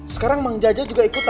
sekarang mengjajah juga ikut